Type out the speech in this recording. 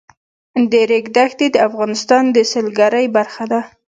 د ریګ دښتې د افغانستان د سیلګرۍ برخه ده.